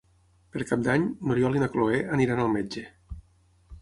Per Cap d'Any n'Oriol i na Cloè aniran al metge.